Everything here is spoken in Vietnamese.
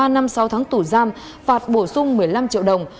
ba năm sáu tháng tù giam phạt bổ sung một mươi năm triệu đồng